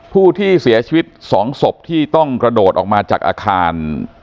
ผู้ที่เสียชีวิต๒ศพที่ต้องกระโดดออกมาจากอาคาร